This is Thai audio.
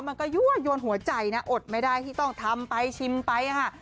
มันก็ยั่วยวนหัวใจนะอดไม่ได้ที่ต้องทำไปชิมไปค่ะ